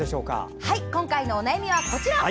今回のお悩みは、こちら。